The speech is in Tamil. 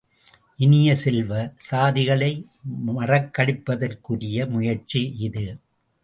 இனிய செல்வ, சாதிகளை மறக்கடிப்பதற்குரிய முயற்சி இது.